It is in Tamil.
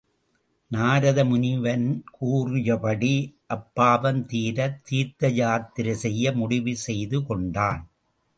நாரத முனிவன் கூறிய படி அப்பாவம் தீரத் தீர்த்தயாத்திரை செய்ய முடிவு செய்து கொண்டான்.